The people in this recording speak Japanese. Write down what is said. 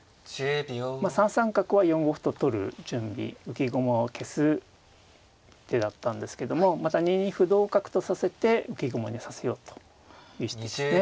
３三角は４五歩と取る準備浮き駒を消す手だったんですけどもまた２二歩同角とさせて浮き駒にさせようという。